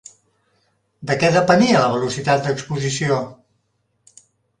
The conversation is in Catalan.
De què depenia la velocitat d'exposició?